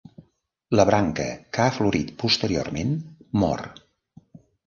La branca que ha florit posteriorment mor.